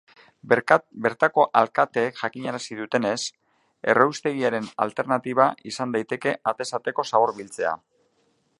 Bertako alkateek jakinarazi dutenez, erraustegiaren alternatiba izan daiteke atez ateko zabor biltzea.